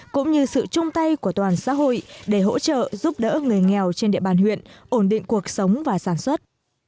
cũng như sự chung tay của toàn xã hội để hỗ trợ giúp đỡ người nghèo trên địa bàn huyện ổn định cuộc sống và sản xuất